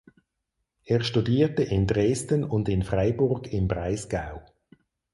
Er studierte in Dresden und in Freiburg im Breisgau.